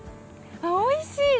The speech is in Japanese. おいしい！